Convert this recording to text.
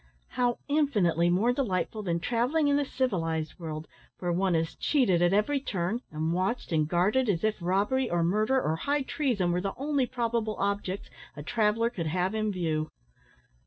"How infinitely more delightful than travelling in the civilised world, where one is cheated at every turn, and watched and guarded as if robbery, or murder, or high treason were the only probable objects a traveller could have in view."